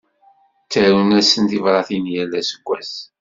Ttarun-asen tibratin yal aseggas.